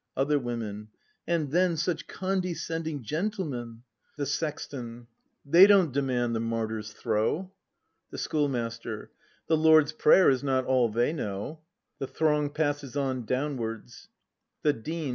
Other Women. And then Such condescending gentlemen! The Sexton. They don't demand the martyr's throe. The Schoolmaster. The Lord's Prayer is not all they know. [The throng passes on downwards. The Dean.